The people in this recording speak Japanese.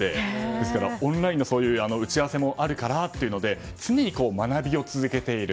ですから、オンラインの打ち合わせもあるからというので常に学びを続けている。